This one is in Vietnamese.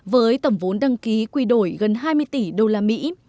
với tầm vốn đăng ký quy đổi gần hai mươi tỷ usd